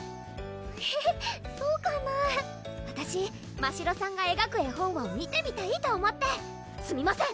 エヘヘそうかなわたしましろさんがえがく絵本を見てみたいと思ってすみません